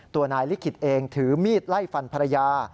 ตัวนายลิขิตเองถือมีดไล่ฟันภรรยา